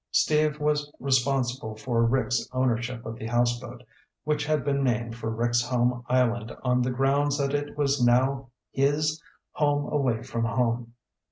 Steve was responsible for Rick's ownership of the houseboat, which had been named for Rick's home island on the grounds that it was now his "home away from home."